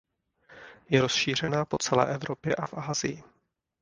Je rozšířená po celé Evropě a v Asii.